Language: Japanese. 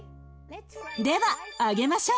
では揚げましょう。